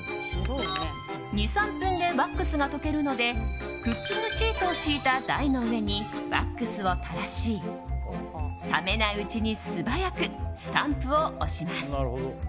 ２３分でワックスが溶けるのでクッキングシートを敷いた台の上に、ワックスを垂らし冷めないうちに素早くスタンプを押します。